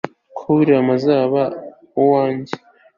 ko william azaba uwanjye